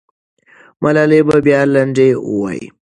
ملالۍ به بیا لنډۍ ووایي.